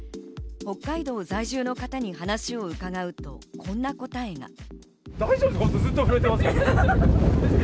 北海道在住の方に話を伺うと、こんな答えが。